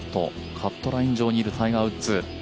カットライン上にいるタイガー・ウッズ。